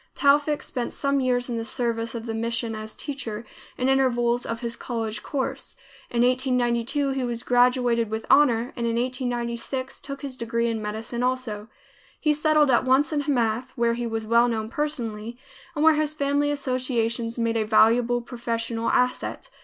Towfik spent some years in the service of the mission as teacher, in intervals of his college course. In 1892 he was graduated with honor, and in 1896 took his degree in medicine also. He settled at once in Hamath, where he was well known personally, and where his family associations made a valuable professional asset.